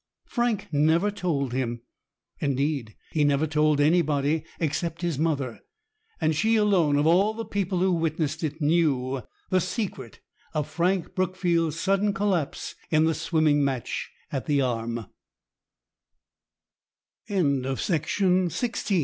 Frank never told him. Indeed he never told anybody except his mother, and she alone of all the people who witnessed it knew the secret of Frank Brookfield's sudden collapse in the swimming m